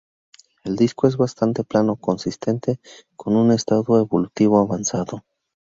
El disco es bastante plano, consistente con un estado evolutivo avanzado.